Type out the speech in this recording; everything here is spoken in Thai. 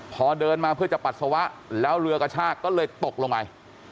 พอเดินมาเพื่อจะปัสสาวะแล้วเรือกระชากก็เลยตกลงไป